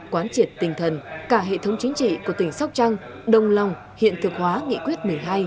quán triệt tinh thần cả hệ thống chính trị của tỉnh sóc trăng đồng lòng hiện thực hóa nghị quyết một mươi hai